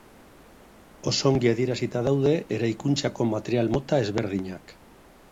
Oso ongi adierazita daude eraikuntzako material mota ezberdinak.